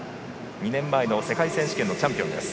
２年前の世界選手権のチャンピオン。